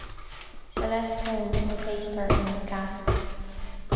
Celeste Holm replaced her in the cast.